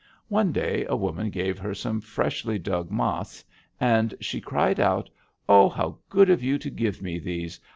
One day a woman gave her some freshly dug mas, and she cried out: 'Oh, how good of you to give me these!